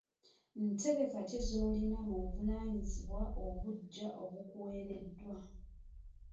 Ntegeka ki z'olina mu buvunaanyizibwa obuggya obukuwereddwa?